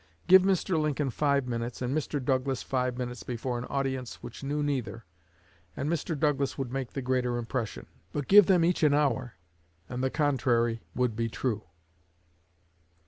Give Mr. Lincoln five minutes and Mr. Douglas five minutes before an audience which knew neither, and Mr. Douglas would make the greater impression. But give them each an hour, and the contrary would be true."